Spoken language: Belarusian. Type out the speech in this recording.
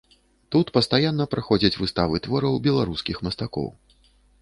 Тут пастаянна праходзяць выставы твораў беларускіх мастакоў.